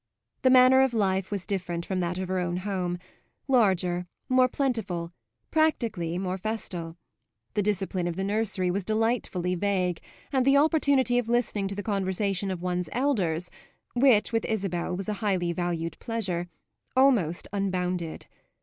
The manner of life was different from that of her own home larger, more plentiful, practically more festal; the discipline of the nursery was delightfully vague and the opportunity of listening to the conversation of one's elders (which with Isabel was a highly valued pleasure) almost unbounded.